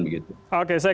oke saya kemudian